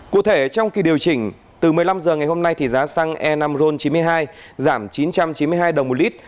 cụ thể trong kỳ điều chỉnh từ một mươi năm h ngày hôm nay thì giá xăng e năm ron chín mươi hai giảm chín trăm chín mươi hai đồng một lít